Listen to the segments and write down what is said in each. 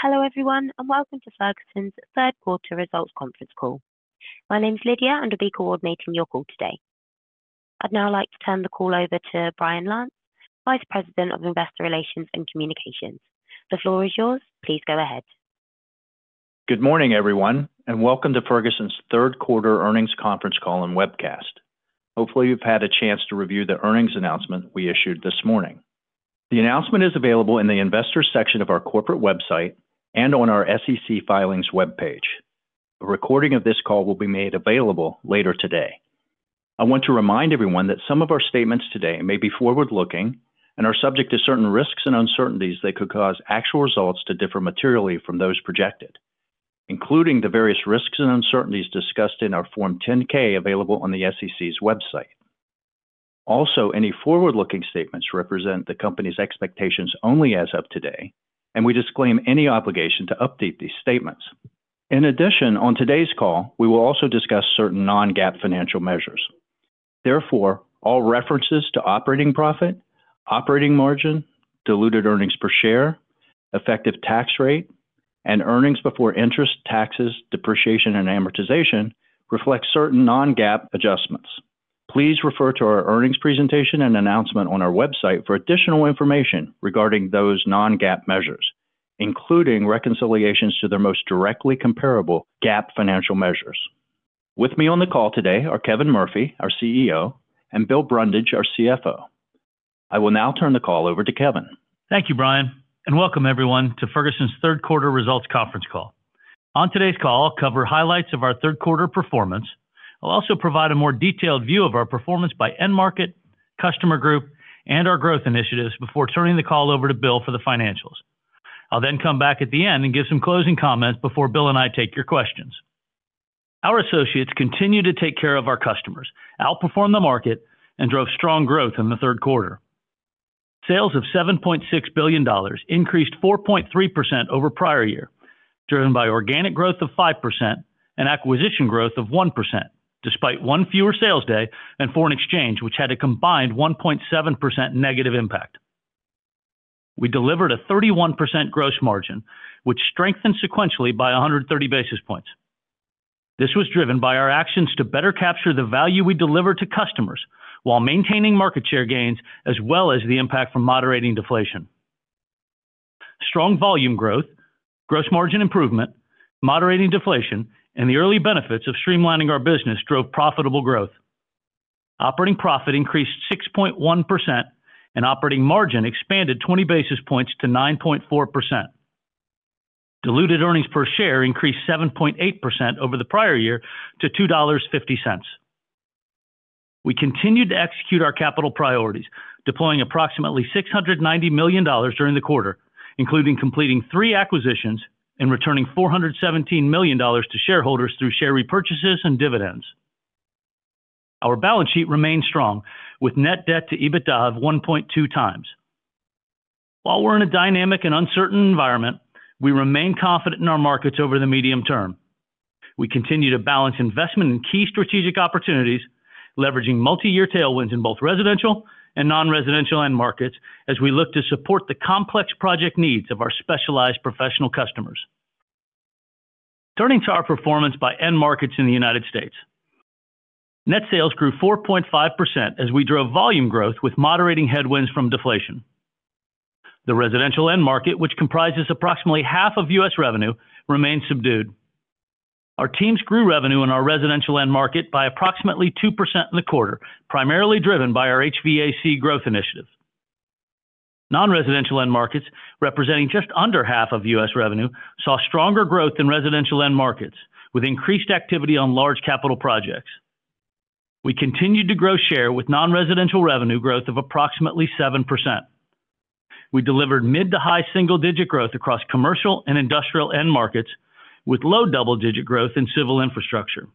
Hello, everyone, and welcome to Ferguson's third quarter results conference call. My name's Lydia, and I'll be coordinating your call today. I'd now like to turn the call over to Brian Lantz, Vice President of Investor Relations and Communications. The floor is yours. Please go ahead. Good morning, everyone, and welcome to Ferguson's third quarter earnings conference call and webcast. Hopefully, you've had a chance to review the earnings announcement we issued this morning. The announcement is available in the Investor section of our corporate website and on our SEC filings webpage. A recording of this call will be made available later today. I want to remind everyone that some of our statements today may be forward-looking and are subject to certain risks and uncertainties that could cause actual results to differ materially from those projected, including the various risks and uncertainties discussed in our Form 10-K available on the SEC's website. Also, any forward-looking statements represent the company's expectations only as of today, and we disclaim any obligation to update these statements. In addition, on today's call, we will also discuss certain non-GAAP financial measures. Therefore, all references to operating profit, operating margin, diluted earnings per share, effective tax rate, and earnings before interest, taxes, depreciation, and amortization reflect certain non-GAAP adjustments. Please refer to our earnings presentation and announcement on our website for additional information regarding those non-GAAP measures, including reconciliations to their most directly comparable GAAP financial measures. With me on the call today are Kevin Murphy, our CEO, and Bill Brundage, our CFO. I will now turn the call over to Kevin. Thank you, Brian, and welcome, everyone, to Ferguson's third quarter results conference call. On today's call, I'll cover highlights of our third quarter performance. I'll also provide a more detailed view of our performance by end market, customer group, and our growth initiatives before turning the call over to Bill for the financials. I'll then come back at the end and give some closing comments before Bill and I take your questions. Our associates continue to take care of our customers, outperform the market, and drove strong growth in the third quarter. Sales of $7.6 billion increased 4.3% over prior year, driven by organic growth of 5% and acquisition growth of 1%, despite one fewer sales day and foreign exchange, which had a combined 1.7% negative impact. We delivered a 31% gross margin, which strengthened sequentially by 130 basis points. This was driven by our actions to better capture the value we deliver to customers while maintaining market share gains as well as the impact from moderating deflation. Strong volume growth, gross margin improvement, moderating deflation, and the early benefits of streamlining our business drove profitable growth. Operating profit increased 6.1%, and operating margin expanded 20 basis points to 9.4%. Diluted earnings per share increased 7.8% over the prior year to $2.50. We continued to execute our capital priorities, deploying approximately $690 million during the quarter, including completing three acquisitions and returning $417 million to shareholders through share repurchases and dividends. Our balance sheet remained strong, with net debt to EBITDA of 1.2 times. While we're in a dynamic and uncertain environment, we remain confident in our markets over the medium term. We continue to balance investment in key strategic opportunities, leveraging multi-year tailwinds in both residential and non-residential end markets as we look to support the complex project needs of our specialized professional customers. Turning to our performance by end markets in the U.S., net sales grew 4.5% as we drove volume growth with moderating headwinds from deflation. The residential end market, which comprises approximately half of U.S. revenue, remained subdued. Our teams grew revenue in our residential end market by approximately 2% in the quarter, primarily driven by our HVAC growth initiatives. Non-residential end markets, representing just under half of U.S. revenue, saw stronger growth than residential end markets, with increased activity on large capital projects. We continued to grow share with non-residential revenue growth of approximately 7%. We delivered mid to high single-digit growth across commercial and industrial end markets, with low double-digit growth in civil infrastructure.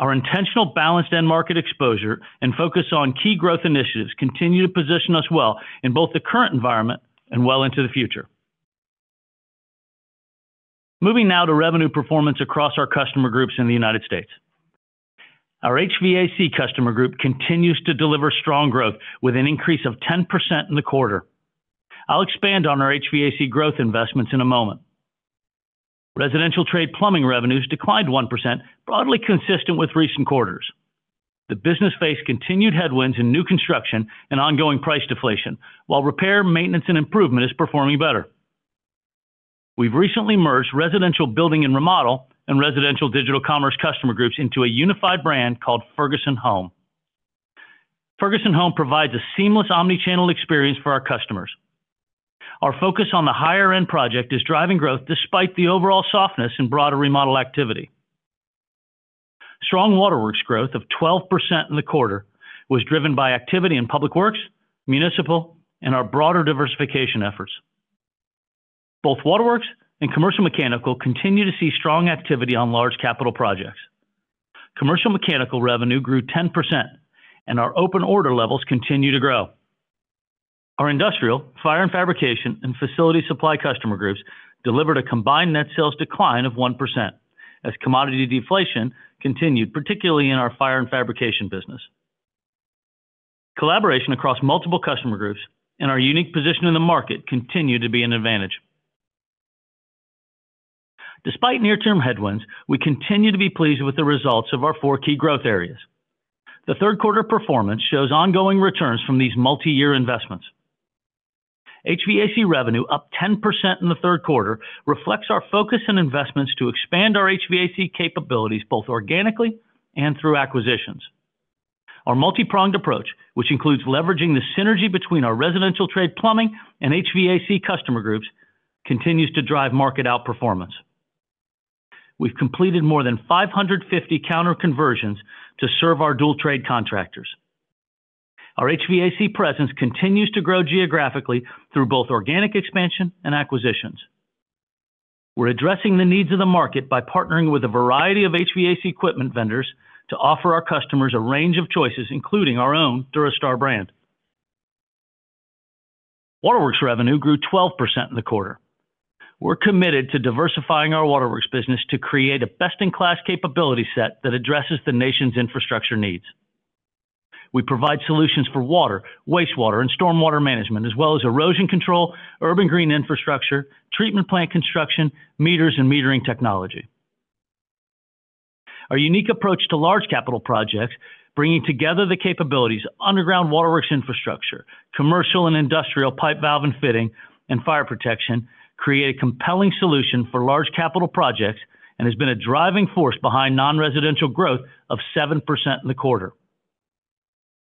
Our intentional balanced end market exposure and focus on key growth initiatives continue to position us well in both the current environment and well into the future. Moving now to revenue performance across our customer groups in the United States. Our HVAC customer group continues to deliver strong growth with an increase of 10% in the quarter. I'll expand on our HVAC growth investments in a moment. Residential trade plumbing revenues declined 1%, broadly consistent with recent quarters. The business faced continued headwinds in new construction and ongoing price deflation, while repair, maintenance, and improvement is performing better. We've recently merged residential building and remodel and residential digital commerce customer groups into a unified brand called Ferguson Home. Ferguson Home provides a seamless omnichannel experience for our customers. Our focus on the higher-end project is driving growth despite the overall softness in broader remodel activity. Strong Waterworks growth of 12% in the quarter was driven by activity in public works, municipal, and our broader diversification efforts. Both Waterworks and Commercial Mechanical continue to see strong activity on large capital projects. Commercial Mechanical revenue grew 10%, and our open order levels continue to grow. Our industrial, fire and fabrication, and facility supply customer groups delivered a combined net sales decline of 1% as commodity deflation continued, particularly in our fire and fabrication business. Collaboration across multiple customer groups and our unique position in the market continue to be an advantage. Despite near-term headwinds, we continue to be pleased with the results of our four key growth areas. The third quarter performance shows ongoing returns from these multi-year investments. HVAC revenue up 10% in the third quarter reflects our focus and investments to expand our HVAC capabilities both organically and through acquisitions. Our multi-pronged approach, which includes leveraging the synergy between our residential trade plumbing and HVAC customer groups, continues to drive market outperformance. We've completed more than 550 counter-conversions to serve our dual-trade contractors. Our HVAC presence continues to grow geographically through both organic expansion and acquisitions. We're addressing the needs of the market by partnering with a variety of HVAC equipment vendors to offer our customers a range of choices, including our own Durastar brand. Waterworks revenue grew 12% in the quarter. We're committed to diversifying our waterworks business to create a best-in-class capability set that addresses the nation's infrastructure needs. We provide solutions for water, wastewater, and stormwater management, as well as erosion control, urban green infrastructure, treatment plant construction, meters, and metering technology. Our unique approach to large capital projects, bringing together the capabilities of underground Waterworks infrastructure, commercial and industrial pipe valve and fitting, and fire protection, create a compelling solution for large capital projects and has been a driving force behind non-residential growth of 7% in the quarter.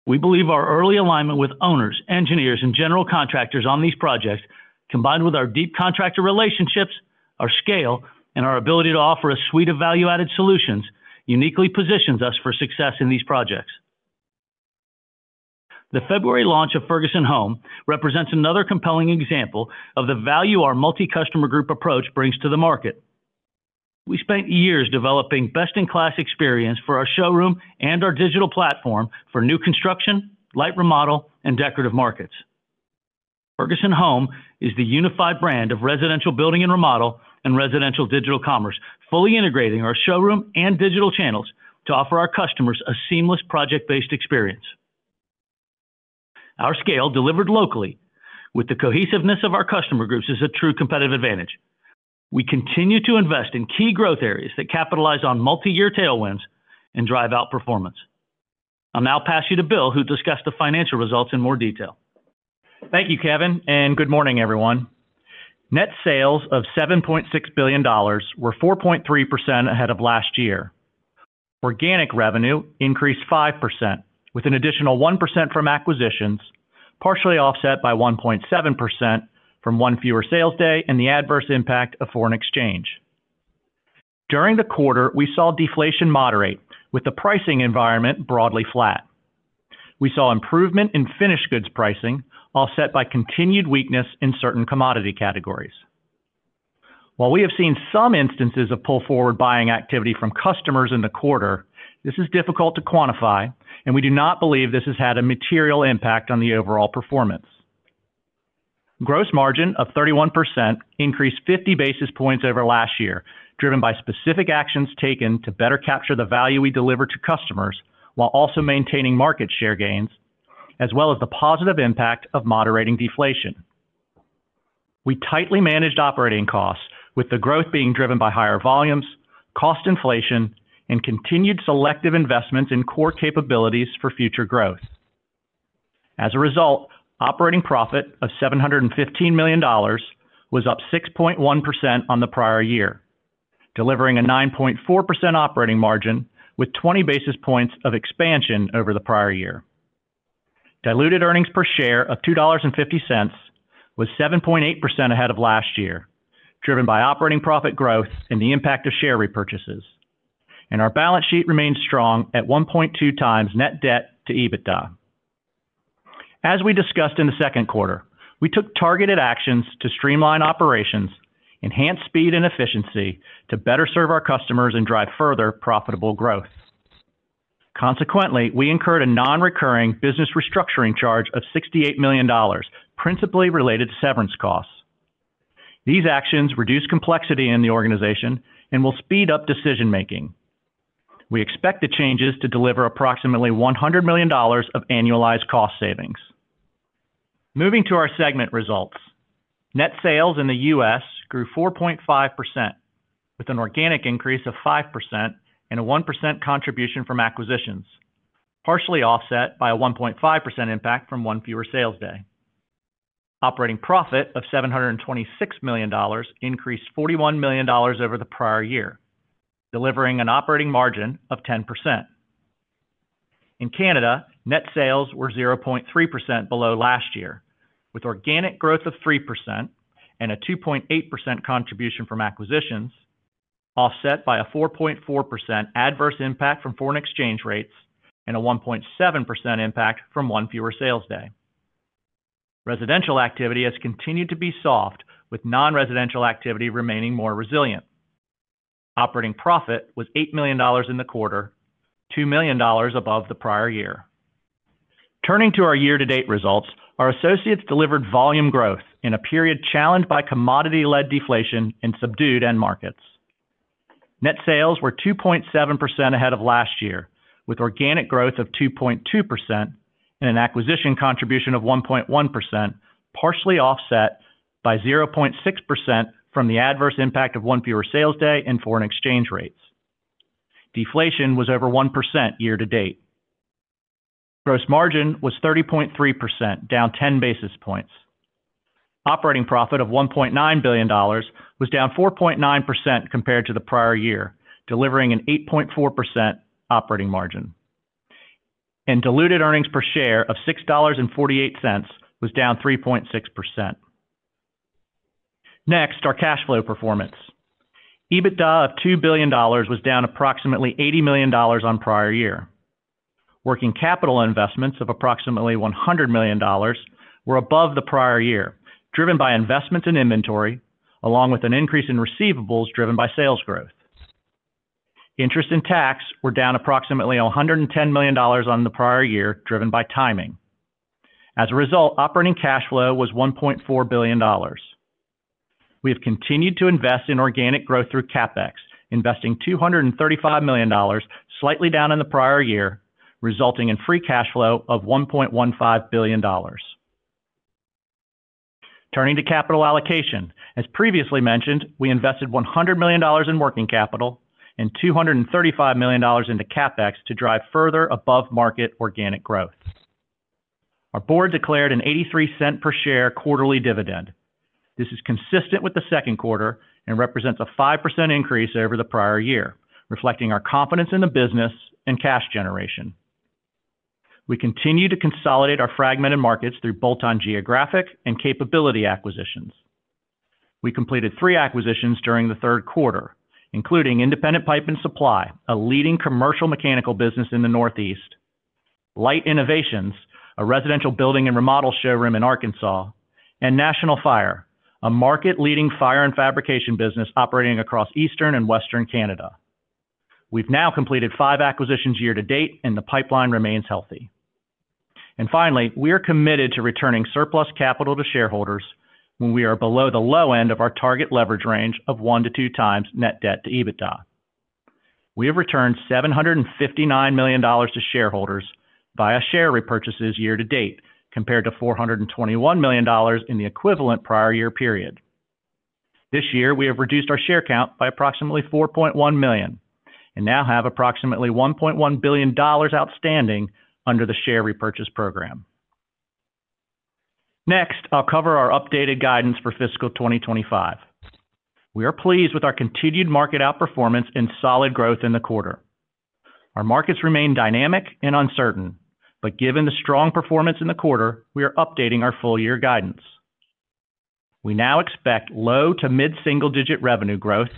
We believe our early alignment with owners, engineers, and general contractors on these projects, combined with our deep contractor relationships, our scale, and our ability to offer a suite of value-added solutions, uniquely positions us for success in these projects. The February launch of Ferguson Home represents another compelling example of the value our multi-customer group approach brings to the market. We spent years developing best-in-class experience for our showroom and our digital platform for new construction, light remodel, and decorative markets. Ferguson Home is the unified brand of residential building and remodel and residential digital commerce, fully integrating our showroom and digital channels to offer our customers a seamless project-based experience. Our scale, delivered locally with the cohesiveness of our customer groups, is a true competitive advantage. We continue to invest in key growth areas that capitalize on multi-year tailwinds and drive outperformance. I'll now pass you to Bill, who discussed the financial results in more detail. Thank you, Kevin, and good morning, everyone. Net sales of $7.6 billion were 4.3% ahead of last year. Organic revenue increased 5%, with an additional 1% from acquisitions, partially offset by 1.7% from one fewer sales day and the adverse impact of foreign exchange. During the quarter, we saw deflation moderate with the pricing environment broadly flat. We saw improvement in finished goods pricing, offset by continued weakness in certain commodity categories. While we have seen some instances of pull-forward buying activity from customers in the quarter, this is difficult to quantify, and we do not believe this has had a material impact on the overall performance. Gross margin of 31% increased 50 basis points over last year, driven by specific actions taken to better capture the value we deliver to customers while also maintaining market share gains, as well as the positive impact of moderating deflation. We tightly managed operating costs, with the growth being driven by higher volumes, cost inflation, and continued selective investments in core capabilities for future growth. As a result, operating profit of $715 million was up 6.1% on the prior year, delivering a 9.4% operating margin with 20 basis points of expansion over the prior year. Diluted earnings per share of $2.50 was 7.8% ahead of last year, driven by operating profit growth and the impact of share repurchases. Our balance sheet remained strong at 1.2 times net debt to EBITDA. As we discussed in the second quarter, we took targeted actions to streamline operations, enhance speed and efficiency to better serve our customers and drive further profitable growth. Consequently, we incurred a non-recurring business restructuring charge of $68 million, principally related to severance costs. These actions reduce complexity in the organization and will speed up decision-making. We expect the changes to deliver approximately $100 million of annualized cost savings. Moving to our segment results, net sales in the U.S. grew 4.5%, with an organic increase of 5% and a 1% contribution from acquisitions, partially offset by a 1.5% impact from one fewer sales day. Operating profit of $726 million increased $41 million over the prior year, delivering an operating margin of 10%. In Canada, net sales were 0.3% below last year, with organic growth of 3% and a 2.8% contribution from acquisitions, offset by a 4.4% adverse impact from foreign exchange rates and a 1.7% impact from one fewer sales day. Residential activity has continued to be soft, with non-residential activity remaining more resilient. Operating profit was $8 million in the quarter, $2 million above the prior year. Turning to our year-to-date results, our associates delivered volume growth in a period challenged by commodity-led deflation and subdued end markets. Net sales were 2.7% ahead of last year, with organic growth of 2.2% and an acquisition contribution of 1.1%, partially offset by 0.6% from the adverse impact of one fewer sales day and foreign exchange rates. Deflation was over 1% year-to-date. Gross margin was 30.3%, down 10 basis points. Operating profit of $1.9 billion was down 4.9% compared to the prior year, delivering an 8.4% operating margin. Diluted earnings per share of $6.48 was down 3.6%. Next, our cash flow performance. EBITDA of $2 billion was down approximately $80 million on prior year. Working capital investments of approximately $100 million were above the prior year, driven by investments in inventory, along with an increase in receivables driven by sales growth. Interest and tax were down approximately $110 million on the prior year, driven by timing. As a result, operating cash flow was $1.4 billion. We have continued to invest in organic growth through CapEx, investing $235 million, slightly down in the prior year, resulting in free cash flow of $1.15 billion. Turning to capital allocation, as previously mentioned, we invested $100 million in working capital and $235 million into CapEx to drive further above-market organic growth. Our board declared an $0.83 per share quarterly dividend. This is consistent with the second quarter and represents a 5% increase over the prior year, reflecting our confidence in the business and cash generation. We continue to consolidate our fragmented markets through bolt-on geographic and capability acquisitions. We completed three acquisitions during the third quarter, including Independent Pipe and Supply, a leading commercial mechanical business in the Northeast; Light Innovations, a residential building and remodel showroom in Arkansas; and National Fire, a market-leading fire and fabrication business operating across Eastern and Western Canada. We have now completed five acquisitions year-to-date, and the pipeline remains healthy. Finally, we are committed to returning surplus capital to shareholders when we are below the low end of our target leverage range of one to two times net debt to EBITDA. We have returned $759 million to shareholders via share repurchases year-to-date, compared to $421 million in the equivalent prior year period. This year, we have reduced our share count by approximately 4.1 million and now have approximately $1.1 billion outstanding under the share repurchase program. Next, I will cover our updated guidance for fiscal 2025. We are pleased with our continued market outperformance and solid growth in the quarter. Our markets remain dynamic and uncertain, but given the strong performance in the quarter, we are updating our full-year guidance. We now expect low to mid-single-digit revenue growth,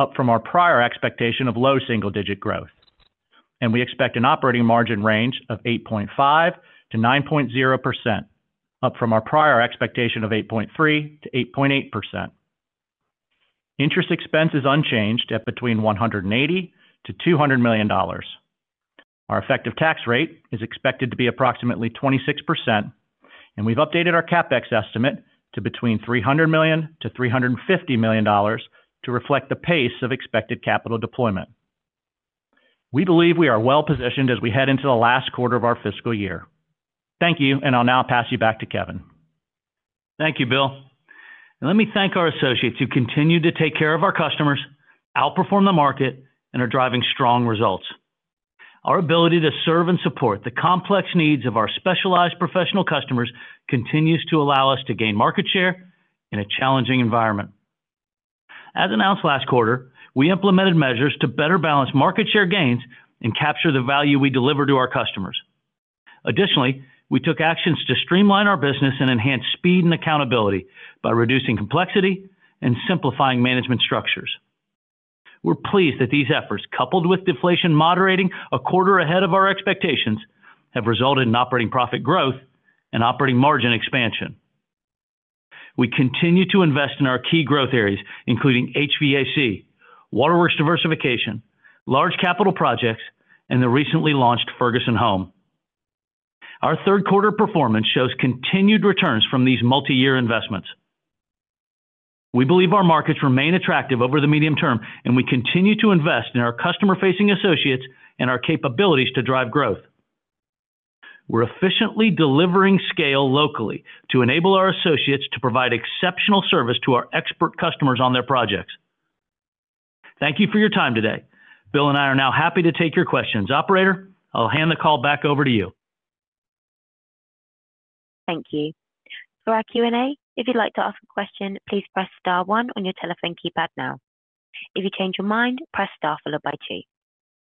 up from our prior expectation of low single-digit growth. We expect an operating margin range of 8.5%-9.0%, up from our prior expectation of 8.3%-8.8%. Interest expense is unchanged at between $180 million and $200 million. Our effective tax rate is expected to be approximately 26%, and we've updated our CapEx estimate to between $300 million and $350 million to reflect the pace of expected capital deployment. We believe we are well-positioned as we head into the last quarter of our fiscal year. Thank you, and I'll now pass you back to Kevin. Thank you, Bill. Let me thank our associates who continue to take care of our customers, outperform the market, and are driving strong results. Our ability to serve and support the complex needs of our specialized professional customers continues to allow us to gain market share in a challenging environment. As announced last quarter, we implemented measures to better balance market share gains and capture the value we deliver to our customers. Additionally, we took actions to streamline our business and enhance speed and accountability by reducing complexity and simplifying management structures. We are pleased that these efforts, coupled with deflation moderating a quarter ahead of our expectations, have resulted in operating profit growth and operating margin expansion. We continue to invest in our key growth areas, including HVAC, waterworks diversification, large capital projects, and the recently launched Ferguson Home. Our third-quarter performance shows continued returns from these multi-year investments. We believe our markets remain attractive over the medium term, and we continue to invest in our customer-facing associates and our capabilities to drive growth. We're efficiently delivering scale locally to enable our associates to provide exceptional service to our expert customers on their projects. Thank you for your time today. Bill and I are now happy to take your questions. Operator, I'll hand the call back over to you. Thank you. For our Q&A, if you'd like to ask a question, please press star one on your telephone keypad now. If you change your mind, press star followed by two.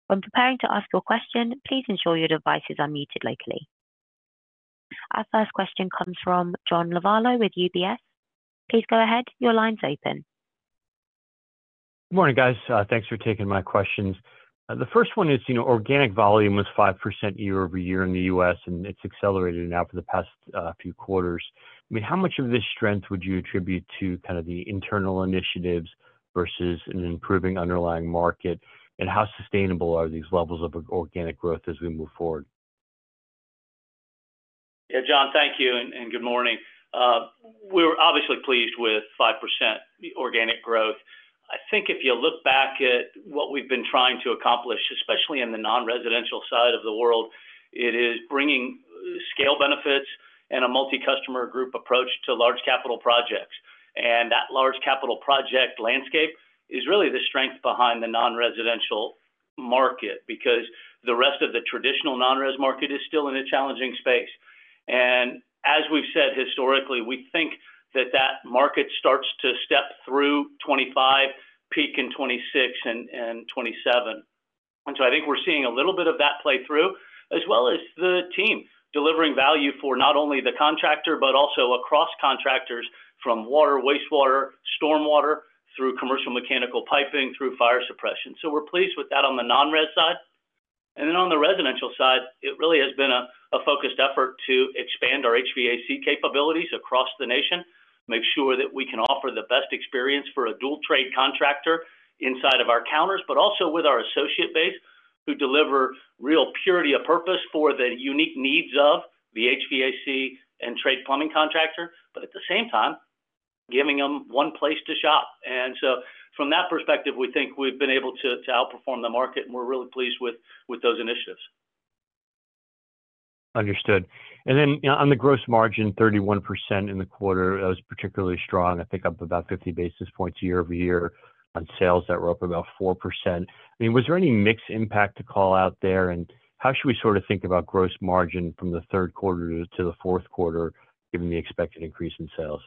When preparing to ask your question, please ensure your device is unmuted locally. Our first question comes from John Lovallo with UBS. Please go ahead. Your line's open. Good morning, guys. Thanks for taking my questions. The first one is, organic volume was 5% Year-over-Year in the U.S., and it's accelerated now for the past few quarters. I mean, how much of this strength would you attribute to kind of the internal initiatives versus an improving underlying market, and how sustainable are these levels of organic growth as we move forward? Yeah, John, thank you, and good morning. We're obviously pleased with 5% organic growth. I think if you look back at what we've been trying to accomplish, especially in the non-residential side of the world, it is bringing scale benefits and a multi-customer group approach to large capital projects. That large capital project landscape is really the strength behind the non-residential market because the rest of the traditional non-res market is still in a challenging space. As we've said historically, we think that that market starts to step through 2025, peak in 2026 and 2027. I think we're seeing a little bit of that play through, as well as the team delivering value for not only the contractor, but also across contractors from water, wastewater, stormwater, through commercial mechanical piping, through fire suppression. We're pleased with that on the non-res side. On the residential side, it really has been a focused effort to expand our HVAC capabilities across the nation, make sure that we can offer the best experience for a dual-trade contractor inside of our counters, but also with our associate base who deliver real purity of purpose for the unique needs of the HVAC and trade plumbing contractor, but at the same time, giving them one place to shop. From that perspective, we think we've been able to outperform the market, and we're really pleased with those initiatives. Understood. And then on the gross margin, 31% in the quarter, that was particularly strong. I think up about 50 basis points Year-over-Year on sales that were up about 4%. I mean, was there any mixed impact to call out there, and how should we sort of think about gross margin from the third quarter to the fourth quarter, given the expected increase in sales?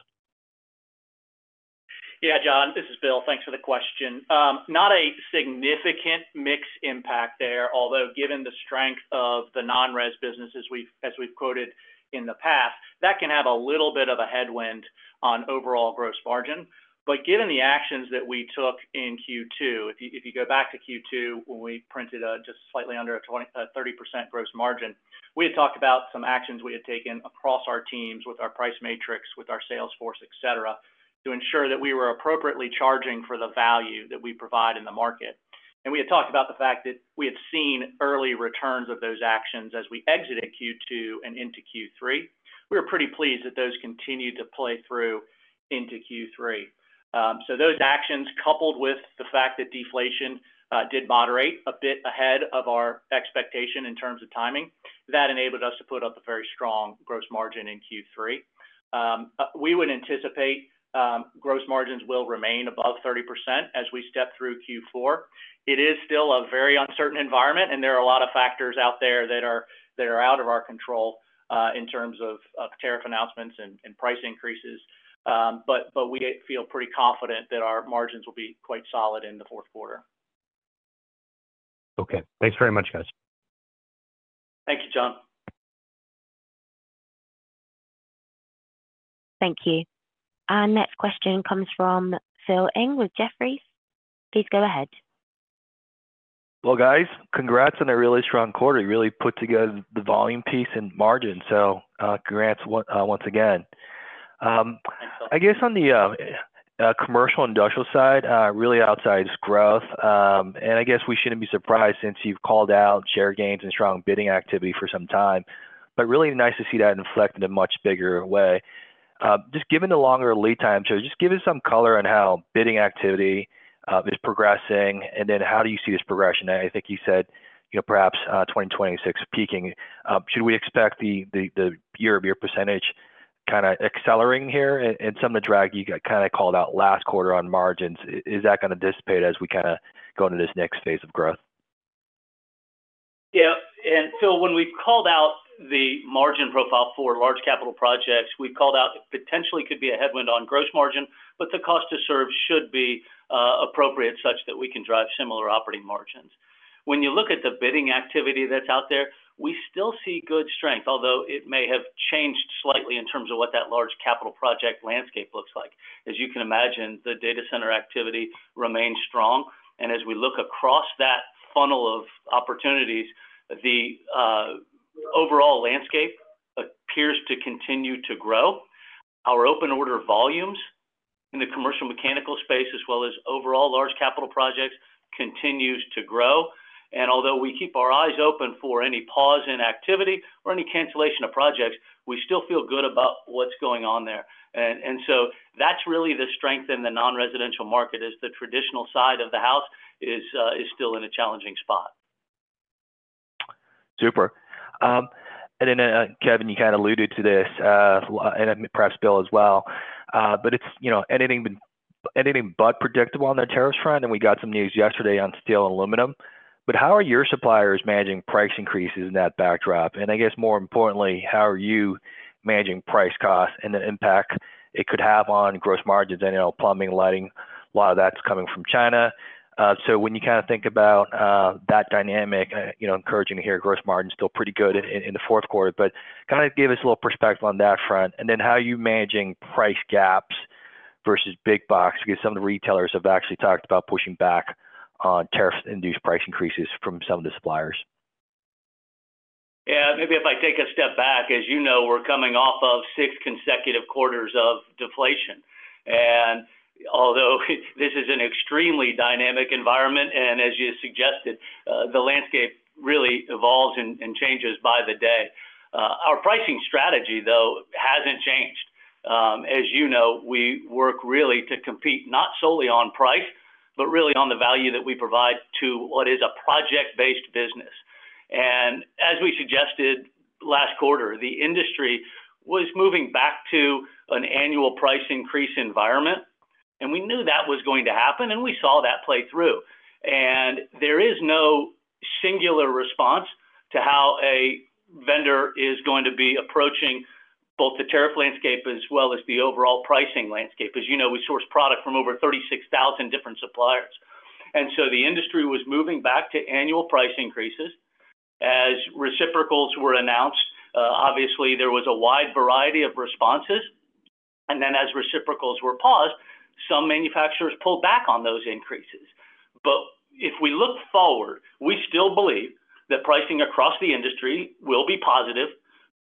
Yeah, John, this is Bill. Thanks for the question. Not a significant mixed impact there, although given the strength of the non-res businesses, as we've quoted in the past, that can have a little bit of a headwind on overall gross margin. Given the actions that we took in Q2, if you go back to Q2, when we printed just slightly under a 30% gross margin, we had talked about some actions we had taken across our teams with our price matrix, with our sales force, etc., to ensure that we were appropriately charging for the value that we provide in the market. We had talked about the fact that we had seen early returns of those actions as we exited Q2 and into Q3. We were pretty pleased that those continued to play through into Q3. Those actions, coupled with the fact that deflation did moderate a bit ahead of our expectation in terms of timing, enabled us to put up a very strong gross margin in Q3. We would anticipate gross margins will remain above 30% as we step through Q4. It is still a very uncertain environment, and there are a lot of factors out there that are out of our control in terms of tariff announcements and price increases. We feel pretty confident that our margins will be quite solid in the fourth quarter. Okay. Thanks very much, guys. Thank you, John. Thank you. Our next question comes from Phil g with Jefferies. Please go ahead. Guys, congrats on a really strong quarter. You really put together the volume piece and margin. So congrats once again. Thanks, Bill. I guess on the commercial industrial side, really outsized growth. I guess we shouldn't be surprised since you've called out share gains and strong bidding activity for some time. Really nice to see that inflected in a much bigger way. Just given the longer lead time, just give us some color on how bidding activity is progressing, and then how do you see this progression? I think you said perhaps 2026 peaking. Should we expect the Year-over-Year percentage kind of accelerating here? Some of the drag you kind of called out last quarter on margins, is that going to dissipate as we kind of go into this next phase of growth? Yeah. Phil, when we've called out the margin profile for large capital projects, we've called out it potentially could be a headwind on gross margin, but the cost to serve should be appropriate such that we can drive similar operating margins. When you look at the bidding activity that's out there, we still see good strength, although it may have changed slightly in terms of what that large capital project landscape looks like. As you can imagine, the data center activity remains strong. As we look across that funnel of opportunities, the overall landscape appears to continue to grow. Our open order volumes in the commercial mechanical space, as well as overall large capital projects, continue to grow. Although we keep our eyes open for any pause in activity or any cancellation of projects, we still feel good about what's going on there. That is really the strength in the non-residential market, as the traditional side of the house is still in a challenging spot. Super. Kevin, you kind of alluded to this, and perhaps Bill as well, but anything but predictable on the tariffs front? We got some news yesterday on steel and aluminum. How are your suppliers managing price increases in that backdrop? I guess, more importantly, how are you managing price costs and the impact it could have on gross margins? I know plumbing, lighting, a lot of that's coming from China. When you kind of think about that dynamic, encouraging to hear gross margins still pretty good in the fourth quarter, but kind of give us a little perspective on that front. How are you managing price gaps versus big box? Some of the retailers have actually talked about pushing back on tariff-induced price increases from some of the suppliers. Yeah. Maybe if I take a step back, as you know, we're coming off of six consecutive quarters of deflation. Although this is an extremely dynamic environment, and as you suggested, the landscape really evolves and changes by the day. Our pricing strategy, though, hasn't changed. As you know, we work really to compete not solely on price, but really on the value that we provide to what is a project-based business. As we suggested last quarter, the industry was moving back to an annual price increase environment, and we knew that was going to happen, and we saw that play through. There is no singular response to how a vendor is going to be approaching both the tariff landscape as well as the overall pricing landscape. As you know, we source product from over 36,000 different suppliers. The industry was moving back to annual price increases as reciprocals were announced. Obviously, there was a wide variety of responses. As reciprocals were paused, some manufacturers pulled back on those increases. If we look forward, we still believe that pricing across the industry will be positive,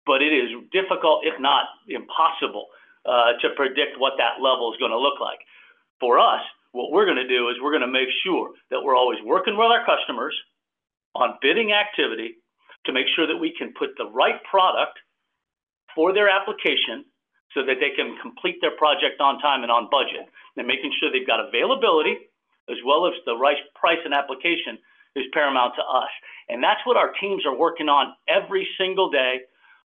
but it is difficult, if not impossible, to predict what that level is going to look like. For us, what we are going to do is make sure that we are always working with our customers on bidding activity to make sure that we can put the right product for their application so that they can complete their project on time and on budget. Making sure they have got availability as well as the right price and application is paramount to us. That is what our teams are working on every single day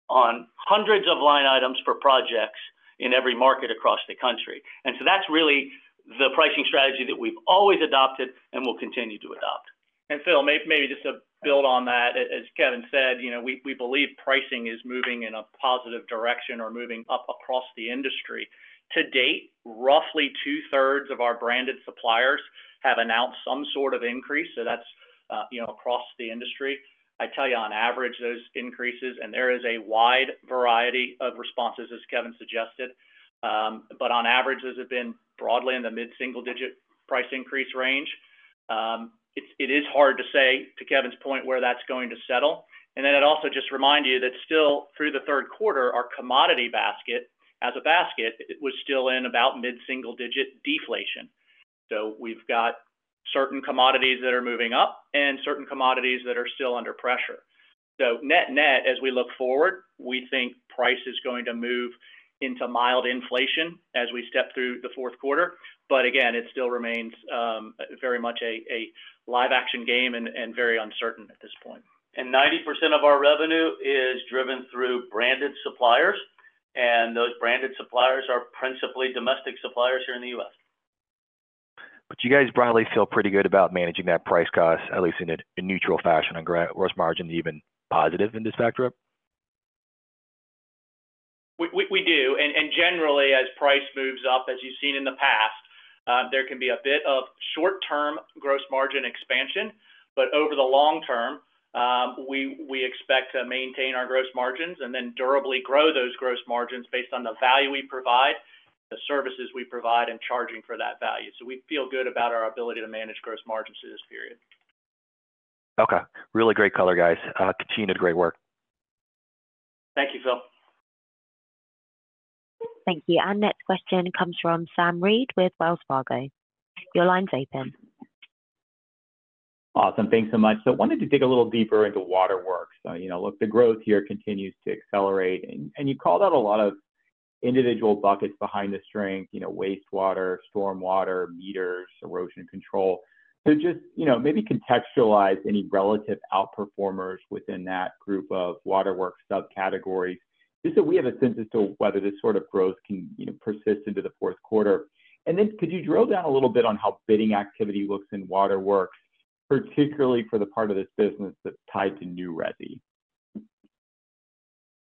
on hundreds of line items for projects in every market across the country. That is really the pricing strategy that we have always adopted and will continue to adopt. Phil, maybe just to build on that, as Kevin said, we believe pricing is moving in a positive direction or moving up across the industry. To date, roughly two-thirds of our branded suppliers have announced some sort of increase. That is across the industry. I tell you, on average, those increases, and there is a wide variety of responses, as Kevin suggested, but on average, those have been broadly in the mid-single-digit price increase range. It is hard to say, to Kevin's point, where that is going to settle. I would also just remind you that still, through the third quarter, our commodity basket, as a basket, was still in about mid-single-digit deflation. We have certain commodities that are moving up and certain commodities that are still under pressure. Net-net, as we look forward, we think price is going to move into mild inflation as we step through the fourth quarter. It still remains very much a live-action game and very uncertain at this point. Ninety percent of our revenue is driven through branded suppliers. Those branded suppliers are principally domestic suppliers here in the U.S. You guys probably feel pretty good about managing that price cost, at least in a neutral fashion, and gross margin even positive in this backdrop? We do. Generally, as price moves up, as you've seen in the past, there can be a bit of short-term gross margin expansion. Over the long term, we expect to maintain our gross margins and then durably grow those gross margins based on the value we provide, the services we provide, and charging for that value. We feel good about our ability to manage gross margins through this period. Okay. Really great color, guys. Continue to great work. Thank you, Phil. Thank you. Our next question comes from Sam Reid with Wells Fargo. Your line's open. Awesome. Thanks so much. I wanted to dig a little deeper into Waterworks. Look, the growth here continues to accelerate. You called out a lot of individual buckets behind the strength: wastewater, stormwater, meters, erosion control. Just maybe contextualize any relative outperformers within that group of Waterworks subcategories just so we have a sense as to whether this sort of growth can persist into the fourth quarter. Could you drill down a little bit on how bidding activity looks in Waterworks, particularly for the part of this business that's tied to New Resy?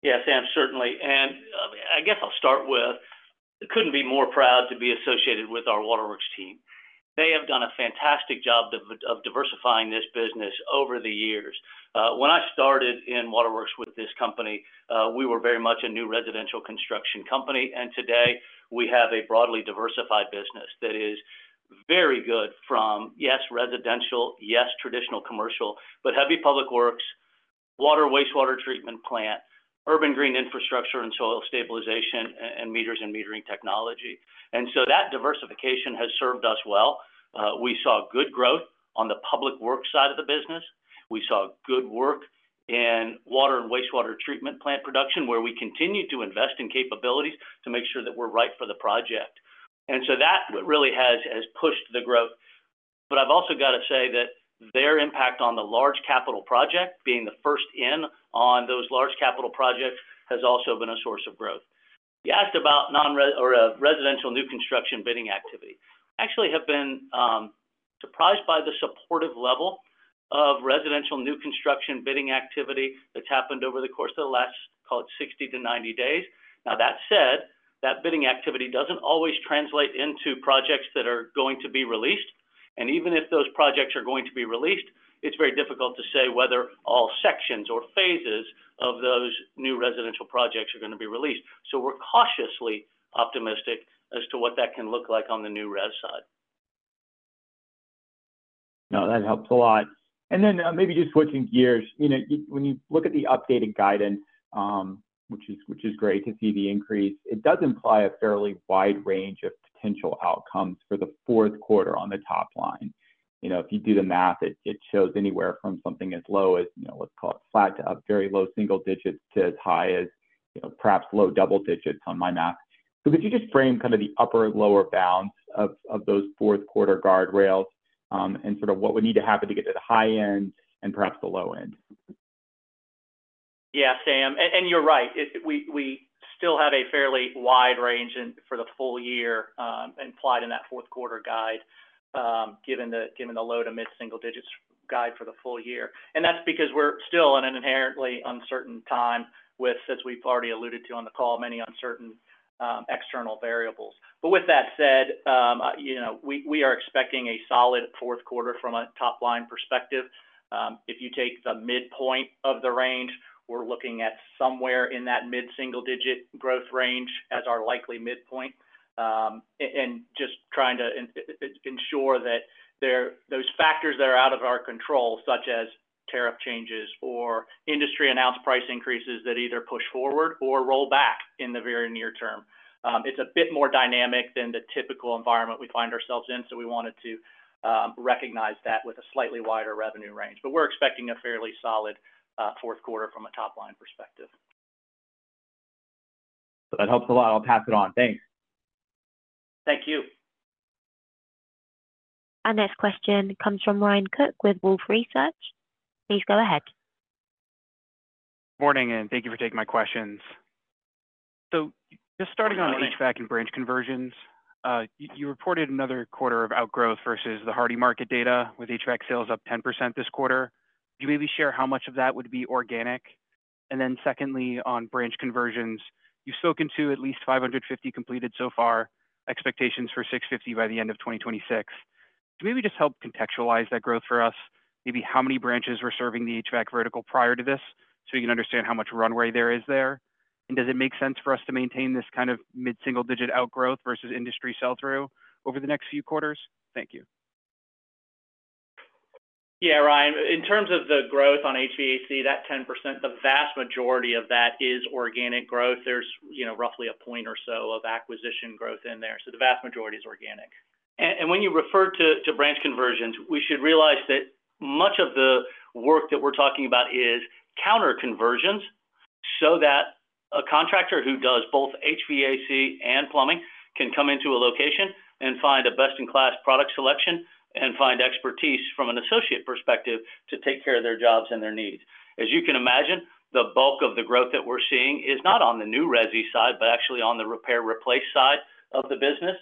Yeah, Sam, certainly. I guess I'll start with, couldn't be more proud to be associated with our Waterworks team. They have done a fantastic job of diversifying this business over the years. When I started in Waterworks with this company, we were very much a new residential construction company. Today, we have a broadly diversified business that is very good from, yes, residential, yes, traditional commercial, but heavy public works, water, wastewater treatment plant, urban green infrastructure and soil stabilization, and meters and metering technology. That diversification has served us well. We saw good growth on the public works side of the business. We saw good work in water and wastewater treatment plant production, where we continue to invest in capabilities to make sure that we're right for the project. That really has pushed the growth. I have also got to say that their impact on the large capital project, being the first in on those large capital projects, has also been a source of growth. You asked about non-residential new construction bidding activity. I actually have been surprised by the supportive level of residential new construction bidding activity that has happened over the course of the last, call it, 60 to 90 days. Now, that said, that bidding activity does not always translate into projects that are going to be released. Even if those projects are going to be released, it is very difficult to say whether all sections or phases of those new residential projects are going to be released. We are cautiously optimistic as to what that can look like on the new res side. No, that helps a lot. Maybe just switching gears, when you look at the updated guidance, which is great to see the increase, it does imply a fairly wide range of potential outcomes for the fourth quarter on the top line. If you do the math, it shows anywhere from something as low as, let's call it, flat to very low single digits to as high as perhaps low double digits on my math. Could you just frame kind of the upper and lower bounds of those fourth quarter guardrails and sort of what would need to happen to get to the high end and perhaps the low end? Yeah, Sam. You're right. We still have a fairly wide range for the full year implied in that fourth quarter guide, given the low to mid-single digits guide for the full year. That's because we're still in an inherently uncertain time with, as we've already alluded to on the call, many uncertain external variables. With that said, we are expecting a solid fourth quarter from a top line perspective. If you take the midpoint of the range, we're looking at somewhere in that mid-single digit growth range as our likely midpoint. Just trying to ensure that those factors that are out of our control, such as tariff changes or industry-announced price increases that either push forward or roll back in the very near term, it's a bit more dynamic than the typical environment we find ourselves in. We wanted to recognize that with a slightly wider revenue range. But we're expecting a fairly solid fourth quarter from a top line perspective. That helps a lot. I'll pass it on. Thanks. Thank you. Our next question comes from Ryan Cook with Wolf Research. Please go ahead. Morning, and thank you for taking my questions. Just starting on HVAC and branch conversions, you reported another quarter of outgrowth versus the HARDI market data with HVAC sales up 10% this quarter. Can you maybe share how much of that would be organic? Secondly, on branch conversions, you've spoken to at least 550 completed so far, expectations for 650 by the end of 2026. Could you maybe just help contextualize that growth for us? Maybe how many branches were serving the HVAC vertical prior to this so you can understand how much runway there is there? Does it make sense for us to maintain this kind of mid-single digit outgrowth versus industry sell-through over the next few quarters? Thank you. Yeah, Ryan. In terms of the growth on HVAC, that 10%, the vast majority of that is organic growth. There's roughly a point or so of acquisition growth in there. The vast majority is organic. When you refer to branch conversions, we should realize that much of the work that we're talking about is counter-conversions so that a contractor who does both HVAC and plumbing can come into a location and find a best-in-class product selection and find expertise from an associate perspective to take care of their jobs and their needs. As you can imagine, the bulk of the growth that we're seeing is not on the new resy side, but actually on the repair-replace side of the business.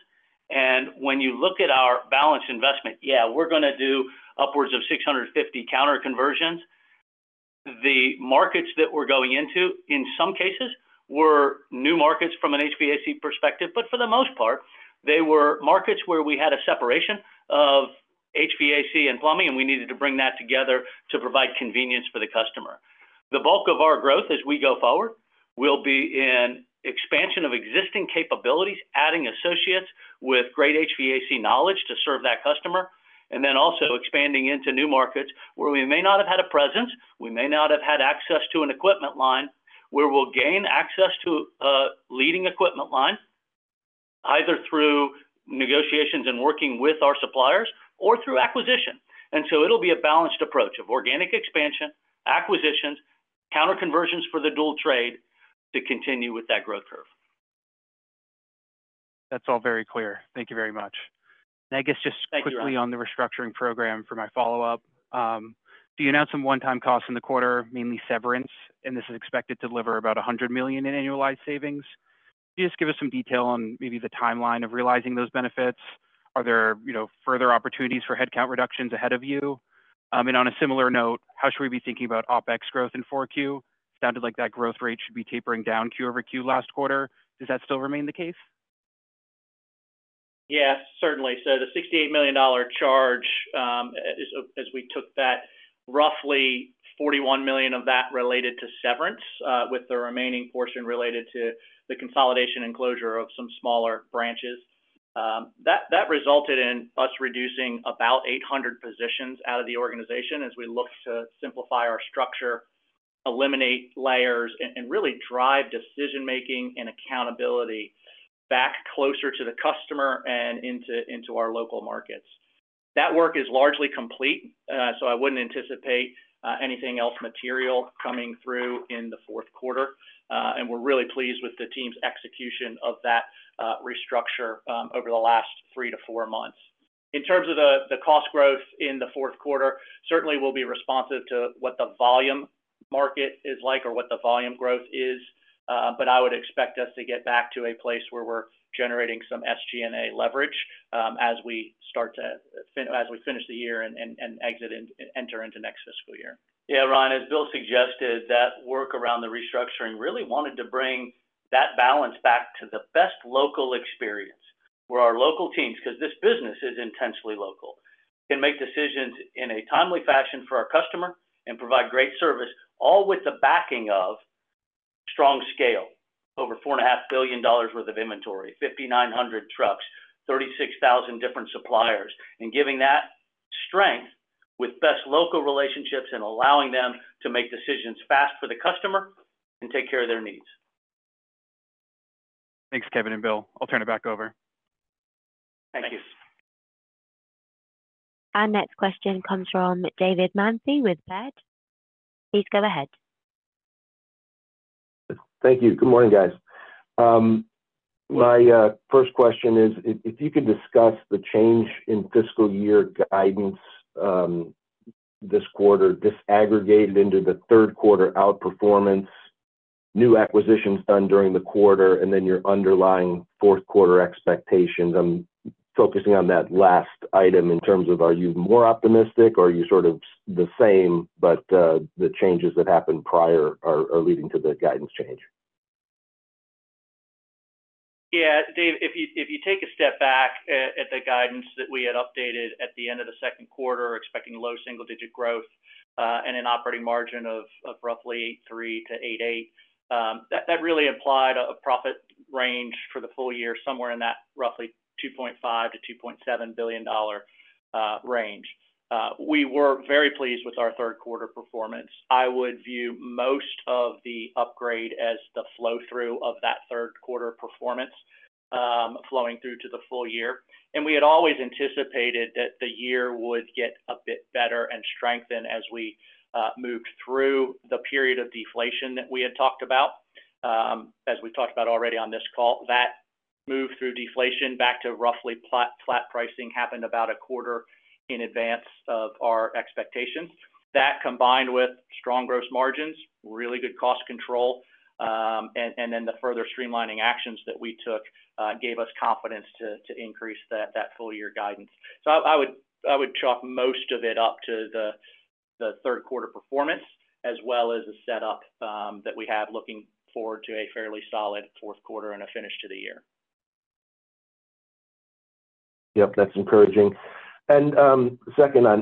When you look at our balanced investment, yeah, we're going to do upwards of 650 counter-conversions. The markets that we're going into, in some cases, were new markets from an HVAC perspective, but for the most part, they were markets where we had a separation of HVAC and plumbing, and we needed to bring that together to provide convenience for the customer. The bulk of our growth as we go forward will be in expansion of existing capabilities, adding associates with great HVAC knowledge to serve that customer, and then also expanding into new markets where we may not have had a presence, we may not have had access to an equipment line, where we'll gain access to a leading equipment line, either through negotiations and working with our suppliers or through acquisition. It will be a balanced approach of organic expansion, acquisitions, counter-conversions for the dual trade to continue with that growth curve. That's all very clear. Thank you very much. I guess just quickly on the restructuring program for my follow-up. You announced some one-time costs in the quarter, mainly severance, and this is expected to deliver about $100 million in annualized savings. Can you just give us some detail on maybe the timeline of realizing those benefits? Are there further opportunities for headcount reductions ahead of you? On a similar note, how should we be thinking about OpEx growth in Q4? It sounded like that growth rate should be tapering down Q over Q last quarter. Does that still remain the case? Yes, certainly. The $68 million charge is, as we took that, roughly $41 million of that related to severance, with the remaining portion related to the consolidation and closure of some smaller branches. That resulted in us reducing about 800 positions out of the organization as we look to simplify our structure, eliminate layers, and really drive decision-making and accountability back closer to the customer and into our local markets. That work is largely complete, so I would not anticipate anything else material coming through in the fourth quarter. We are really pleased with the team's execution of that restructure over the last three to four months. In terms of the cost growth in the fourth quarter, certainly we'll be responsive to what the volume market is like or what the volume growth is, but I would expect us to get back to a place where we're generating some SG&A leverage as we start to, as we finish the year and enter into next fiscal year. Yeah, Ryan, as Bill suggested, that work around the restructuring really wanted to bring that balance back to the best local experience where our local teams, because this business is intensely local, can make decisions in a timely fashion for our customer and provide great service, all with the backing of strong scale, over $4.5 billion worth of inventory, 5,900 trucks, 36,000 different suppliers, and giving that strength with best local relationships and allowing them to make decisions fast for the customer and take care of their needs. Thanks, Kevin and Bill. I'll turn it back over. Thank you. Our next question comes from David Mancy with BED. Please go ahead. Thank you. Good morning, guys. My first question is, if you could discuss the change in fiscal year guidance this quarter, disaggregated into the third quarter outperformance, new acquisitions done during the quarter, and then your underlying fourth quarter expectations. I'm focusing on that last item in terms of, are you more optimistic or are you sort of the same, but the changes that happened prior are leading to the guidance change? Yeah, Dave, if you take a step back at the guidance that we had updated at the end of the second quarter, expecting low single-digit growth and an operating margin of roughly 8.3%-8.8%, that really implied a profit range for the full year, somewhere in that roughly $2.5 billion-$2.7 billion range. We were very pleased with our third quarter performance. I would view most of the upgrade as the flow-through of that third quarter performance flowing through to the full year. We had always anticipated that the year would get a bit better and strengthen as we moved through the period of deflation that we had talked about. As we talked about already on this call, that move through deflation back to roughly flat pricing happened about a quarter in advance of our expectations. That, combined with strong gross margins, really good cost control, and then the further streamlining actions that we took gave us confidence to increase that full year guidance. I would chalk most of it up to the third quarter performance as well as the setup that we have looking forward to a fairly solid fourth quarter and a finish to the year. Yep, that's encouraging. Second, on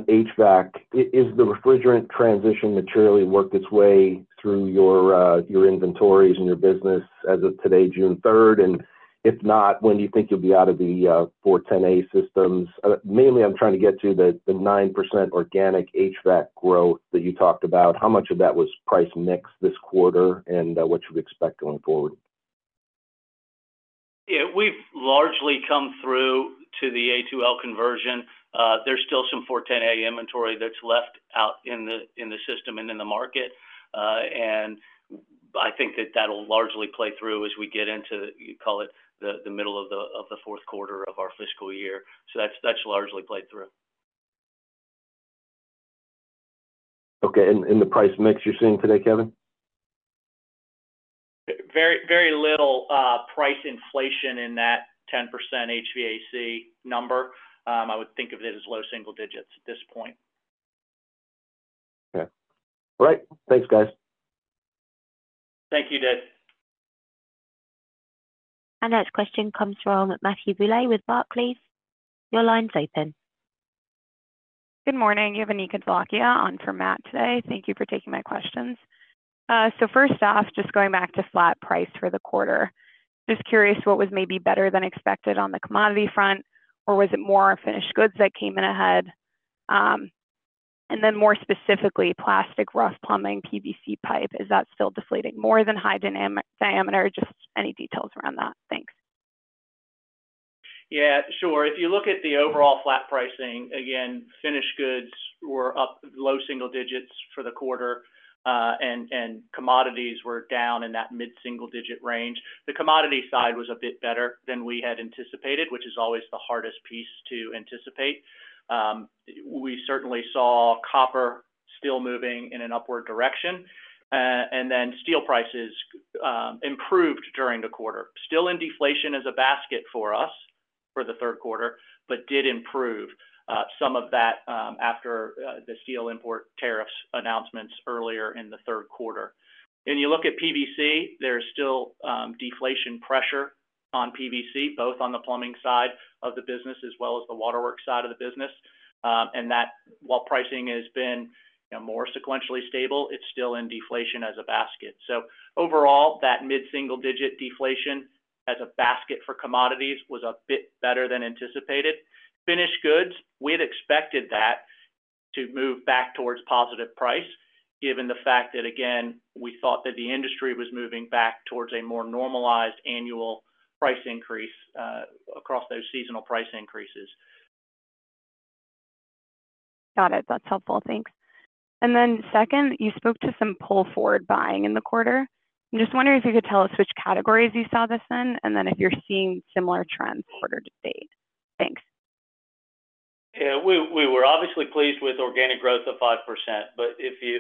HVAC, is the refrigerant transition materially worked its way through your inventories and your business as of today, June 3rd? If not, when do you think you'll be out of the 410A systems? Mainly, I'm trying to get to the 9% organic HVAC growth that you talked about. How much of that was price mix this quarter and what you'd expect going forward? Yeah, we've largely come through to the A2L conversion. There's still some 410A inventory that's left out in the system and in the market. I think that that'll largely play through as we get into, you call it, the middle of the fourth quarter of our fiscal year. That's largely played through. Okay. The price mix you're seeing today, Kevin? Very little price inflation in that 10% HVAC number. I would think of it as low single digits at this point. Okay. All right. Thanks, guys. Thank you, Dave. Our next question comes from Anika Dholakia with Barclays. Your line's open. Good morning, Evanica Zlakia on for Matt today. Thank you for taking my questions. First off, just going back to flat price for the quarter, just curious what was maybe better than expected on the commodity front, or was it more finished goods that came in ahead? More specifically, plastic, rough plumbing, PVC pipe, is that still deflating more than high diameter? Just any details around that? Thanks. Yeah, sure. If you look at the overall flat pricing, again, finished goods were up low single digits for the quarter, and commodities were down in that mid-single digit range. The commodity side was a bit better than we had anticipated, which is always the hardest piece to anticipate. We certainly saw copper still moving in an upward direction, and then steel prices improved during the quarter. Still in deflation as a basket for us for the third quarter, but did improve some of that after the steel import tariffs announcements earlier in the third quarter. You look at PVC, there's still deflation pressure on PVC, both on the plumbing side of the business as well as the waterwork side of the business. While pricing has been more sequentially stable, it's still in deflation as a basket. Overall, that mid-single digit deflation as a basket for commodities was a bit better than anticipated. Finished goods, we had expected that to move back towards positive price, given the fact that, again, we thought that the industry was moving back towards a more normalized annual price increase across those seasonal price increases. Got it. That's helpful. Thanks. You spoke to some pull forward buying in the quarter. I'm just wondering if you could tell us which categories you saw this in, and if you're seeing similar trends quarter to date. Thanks. Yeah, we were obviously pleased with organic growth of 5%, but if you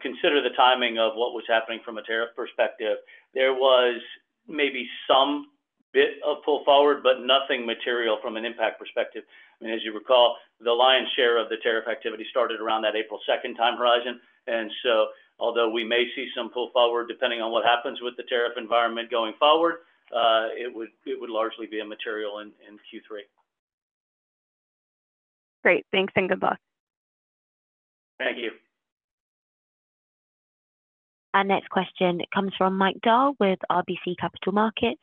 consider the timing of what was happening from a tariff perspective, there was maybe some bit of pull forward, but nothing material from an impact perspective. I mean, as you recall, the lion's share of the tariff activity started around that April 2 time horizon. I mean, although we may see some pull forward, depending on what happens with the tariff environment going forward, it would largely be immaterial in Q3. Great. Thanks and good luck. Thank you. Our next question comes from Mike Dahl with RBC Capital Markets.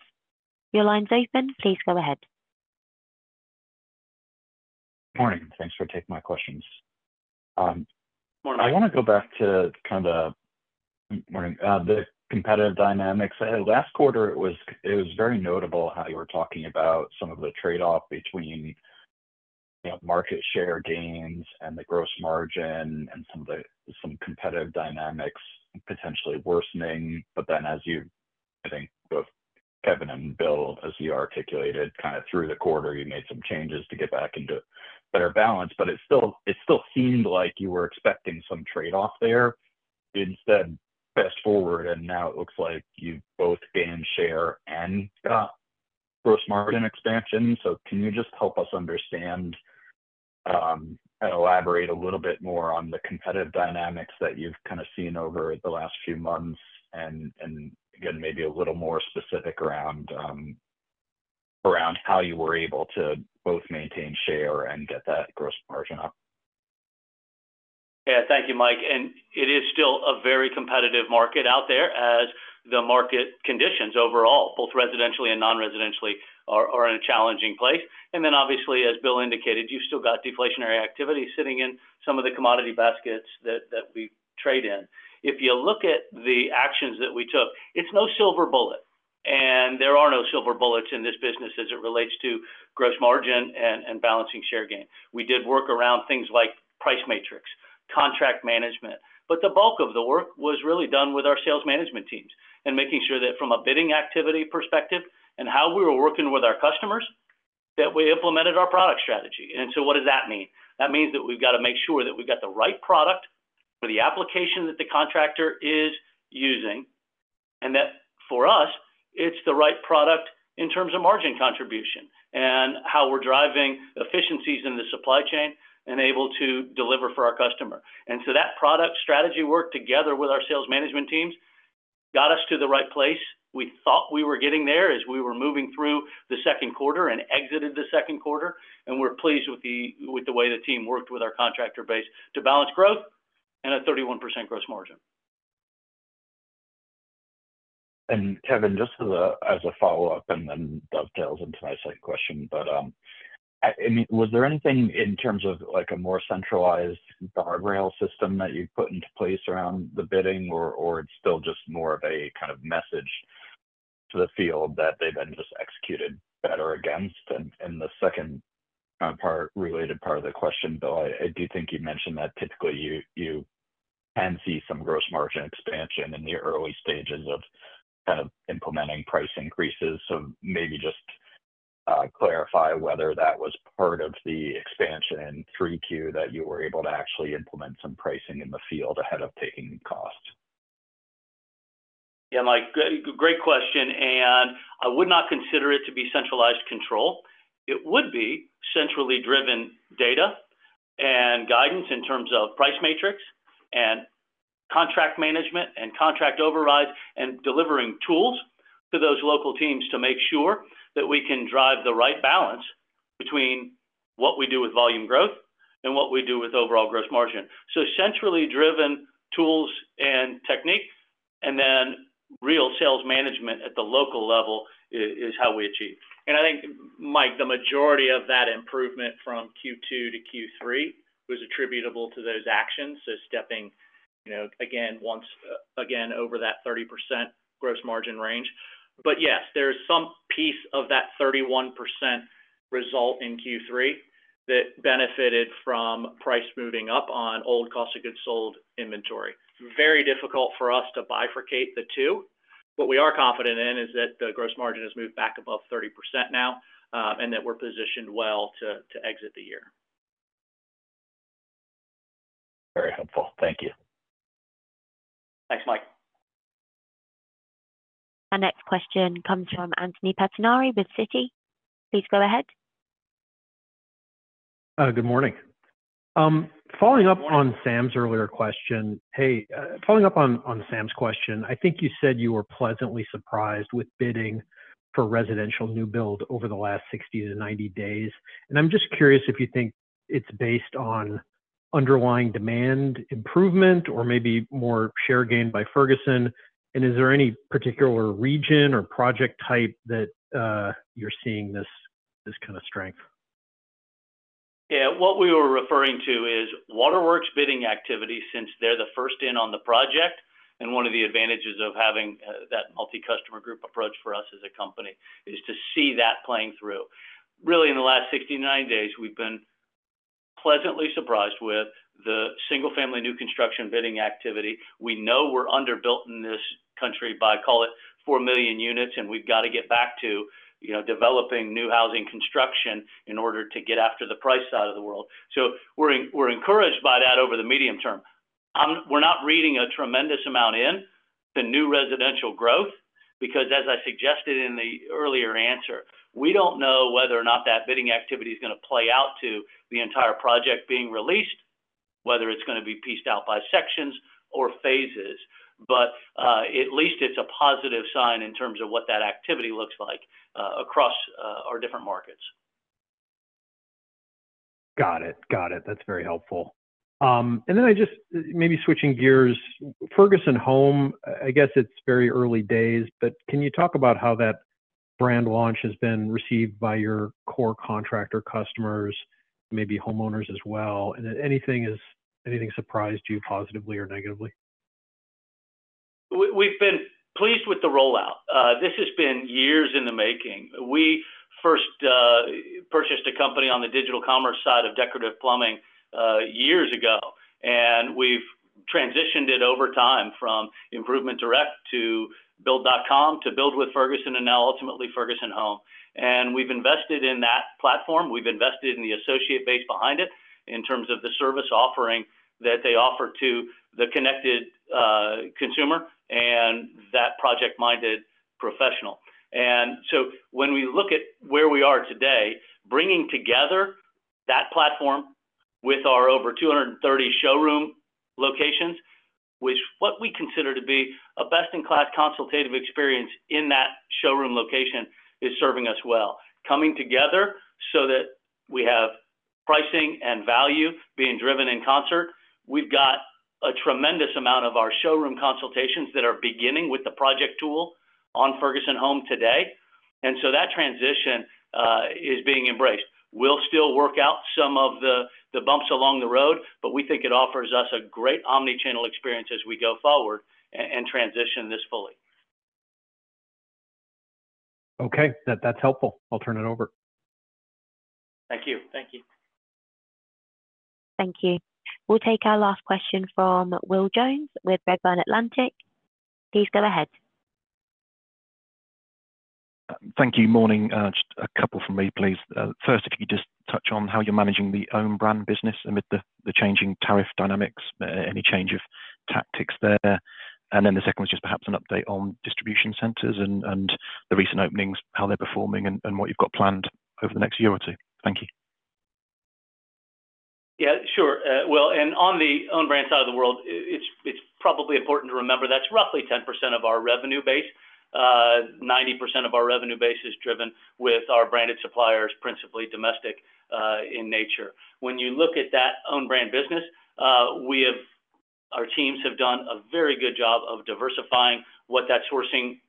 Your line's open. Please go ahead. Morning. Thanks for taking my questions. I want to go back to kind of the competitive dynamics. Last quarter, it was very notable how you were talking about some of the trade-off between market share gains and the gross margin and some competitive dynamics potentially worsening. As you, I think, both Kevin and Bill, as you articulated, kind of through the quarter, you made some changes to get back into better balance, but it still seemed like you were expecting some trade-off there. Instead, fast forward, and now it looks like you've both gained share and got gross margin expansion. Can you just help us understand and elaborate a little bit more on the competitive dynamics that you've kind of seen over the last few months? Maybe a little more specific around how you were able to both maintain share and get that gross margin up. Yeah, thank you, Mike. It is still a very competitive market out there as the market conditions overall, both residentially and non-residentially, are in a challenging place. Obviously, as Bill indicated, you've still got deflationary activity sitting in some of the commodity baskets that we trade in. If you look at the actions that we took, it's no silver bullet. There are no silver bullets in this business as it relates to gross margin and balancing share gain. We did work around things like price matrix, contract management, but the bulk of the work was really done with our sales management teams and making sure that from a bidding activity perspective and how we were working with our customers, that we implemented our product strategy. What does that mean? That means that we've got to make sure that we've got the right product for the application that the contractor is using, and that for us, it's the right product in terms of margin contribution and how we're driving efficiencies in the supply chain and able to deliver for our customer. That product strategy work together with our sales management teams got us to the right place. We thought we were getting there as we were moving through the second quarter and exited the second quarter. We are pleased with the way the team worked with our contractor base to balance growth and a 31% gross margin. Kevin, just as a follow-up, and then dovetails into my second question, but I mean, was there anything in terms of a more centralized guardrail system that you've put into place around the bidding, or it's still just more of a kind of message to the field that they've been just executed better against? The second related part of the question, Bill, I do think you mentioned that typically you can see some gross margin expansion in the early stages of kind of implementing price increases. Maybe just clarify whether that was part of the expansion in 3Q that you were able to actually implement some pricing in the field ahead of taking cost. Yeah, Mike, great question. I would not consider it to be centralized control. It would be centrally driven data and guidance in terms of price matrix and contract management and contract overrides and delivering tools to those local teams to make sure that we can drive the right balance between what we do with volume growth and what we do with overall gross margin. Centrally driven tools and technique, and then real sales management at the local level is how we achieve. I think, Mike, the majority of that improvement from Q2 to Q3 was attributable to those actions. Stepping again once again over that 30% gross margin range. Yes, there is some piece of that 31% result in Q3 that benefited from price moving up on old cost of goods sold inventory. Very difficult for us to bifurcate the two. What we are confident in is that the gross margin has moved back above 30% now and that we're positioned well to exit the year. Very helpful. Thank you. Thanks, Mike. Our next question comes from Anthony Pettinari with Citi. Please go ahead. Good morning. Following up on Sam's earlier question, hey, following up on Sam's question, I think you said you were pleasantly surprised with bidding for residential new build over the last 60-90 days. I'm just curious if you think it's based on underlying demand improvement or maybe more share gain by Ferguson. Is there any particular region or project type that you're seeing this kind of strength? Yeah, what we were referring to is Waterworks bidding activity since they're the first in on the project. One of the advantages of having that multi-customer group approach for us as a company is to see that playing through. Really, in the last 60-90 days, we've been pleasantly surprised with the single-family new construction bidding activity. We know we're underbuilt in this country by, call it, 4 million units, and we've got to get back to developing new housing construction in order to get after the price side of the world. We're encouraged by that over the medium term. We're not reading a tremendous amount in the new residential growth because, as I suggested in the earlier answer, we don't know whether or not that bidding activity is going to play out to the entire project being released, whether it's going to be pieced out by sections or phases. At least it's a positive sign in terms of what that activity looks like across our different markets. Got it. Got it. That's very helpful. I just maybe switching gears, Ferguson Home, I guess it's very early days, but can you talk about how that brand launch has been received by your core contractor customers, maybe homeowners as well? Anything surprised you positively or negatively? We've been pleased with the rollout. This has been years in the making. We first purchased a company on the digital commerce side of decorative plumbing years ago, and we've transitioned it over time from Improvement Direct to Build.com to Build with Ferguson and now ultimately Ferguson Home. We've invested in that platform. We've invested in the associate base behind it in terms of the service offering that they offer to the connected consumer and that project-minded professional. When we look at where we are today, bringing together that platform with our over 230 showroom locations, which we consider to be a best-in-class consultative experience in that showroom location, is serving us well. Coming together so that we have pricing and value being driven in concert, we've got a tremendous amount of our showroom consultations that are beginning with the project tool on Ferguson Home today. That transition is being embraced. We'll still work out some of the bumps along the road, but we think it offers us a great omnichannel experience as we go forward and transition this fully. Okay. That's helpful. I'll turn it over. Thank you. Thank you. Thank you. We'll take our last question from Will Jones with Redburn Atlantic. Please go ahead. Thank you. Morning. Just a couple for me, please. First, if you could just touch on how you're managing the own brand business amid the changing tariff dynamics, any change of tactics there. The second was just perhaps an update on distribution centers and the recent openings, how they're performing, and what you've got planned over the next year or two. Thank you. Yeah, sure. On the own brand side of the world, it's probably important to remember that's roughly 10% of our revenue base. 90% of our revenue base is driven with our branded suppliers, principally domestic in nature. When you look at that own brand business, our teams have done a very good job of diversifying what that sourcing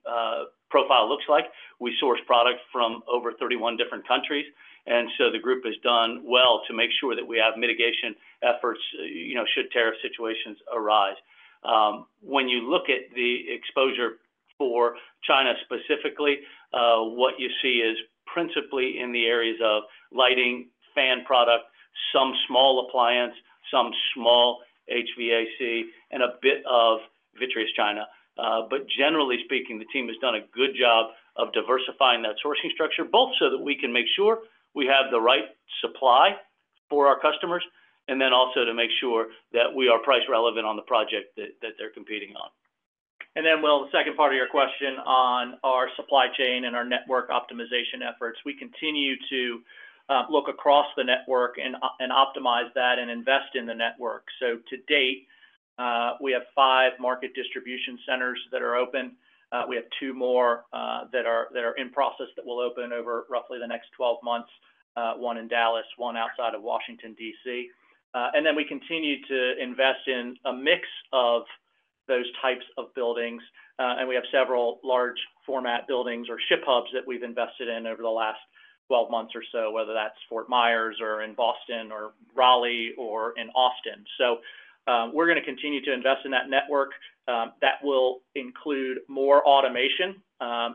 profile looks like. We source product from over 31 different countries. The group has done well to make sure that we have mitigation efforts should tariff situations arise. When you look at the exposure for China specifically, what you see is principally in the areas of lighting, fan product, some small appliance, some small HVAC, and a bit of vitreous China. Generally speaking, the team has done a good job of diversifying that sourcing structure, both so that we can make sure we have the right supply for our customers, and then also to make sure that we are price relevant on the project that they're competing on. The second part of your question on our supply chain and our network optimization efforts, we continue to look across the network and optimize that and invest in the network. To date, we have five market distribution centers that are open. We have two more that are in process that will open over roughly the next 12 months, one in Dallas, one outside of Washington, DC. We continue to invest in a mix of those types of buildings. We have several large-format buildings or ship hubs that we've invested in over the last 12 months or so, whether that's Fort Myers, Boston, Raleigh, or Austin. We are going to continue to invest in that network. That will include more automation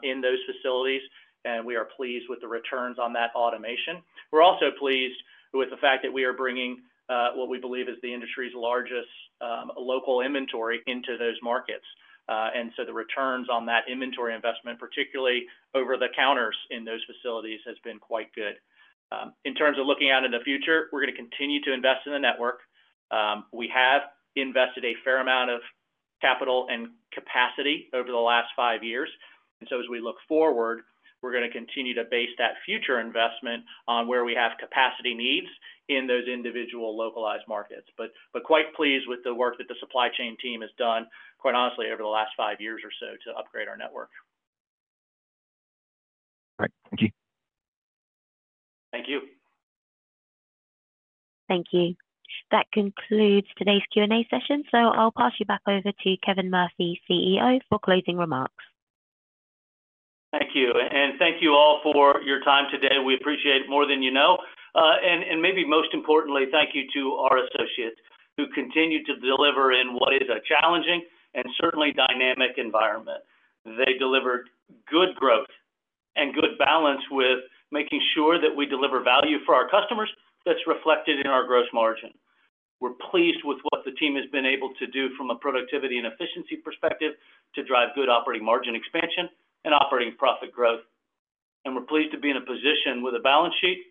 in those facilities, and we are pleased with the returns on that automation. We are also pleased with the fact that we are bringing what we believe is the industry's largest local inventory into those markets. The returns on that inventory investment, particularly over the counters in those facilities, have been quite good. In terms of looking out in the future, we are going to continue to invest in the network. We have invested a fair amount of capital and capacity over the last five years. As we look forward, we're going to continue to base that future investment on where we have capacity needs in those individual localized markets. Quite pleased with the work that the supply chain team has done, quite honestly, over the last five years or so to upgrade our network. All right. Thank you. Thank you. Thank you. That concludes today's Q&A session. I'll pass you back over to Kevin Murphy, CEO, for closing remarks. Thank you. Thank you all for your time today. We appreciate it more than you know. Maybe most importantly, thank you to our associates who continue to deliver in what is a challenging and certainly dynamic environment. They delivered good growth and good balance with making sure that we deliver value for our customers that is reflected in our gross margin. We are pleased with what the team has been able to do from a productivity and efficiency perspective to drive good operating margin expansion and operating profit growth. We are pleased to be in a position with a balance sheet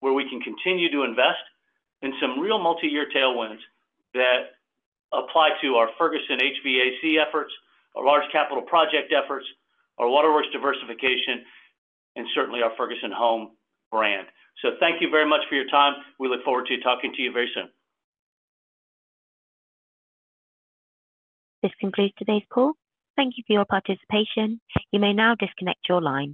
where we can continue to invest in some real multi-year tailwinds that apply to our Ferguson HVAC efforts, our large capital project efforts, our waterworks diversification, and certainly our Ferguson Home brand. Thank you very much for your time. We look forward to talking to you very soon. This concludes today's call. Thank you for your participation. You may now disconnect your line.